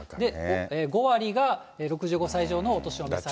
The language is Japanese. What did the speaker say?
５割が６５歳以上のお年を召された方。